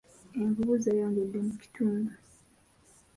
Envubu zeeyongedde mu kitundu.